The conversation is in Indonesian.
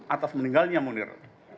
atas meninggalnya munir